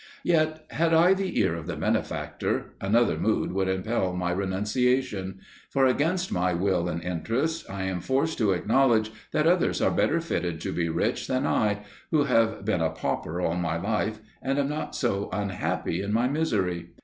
Yet, had I the ear of the benefactor, another mood would impel my renunciation; for, against my will and interest, I am forced to acknowledge that others are better fitted to be rich than I, who have been a pauper all my life, and am not so unhappy in my misery.